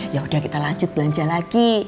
yaudah kita lanjut belanja lagi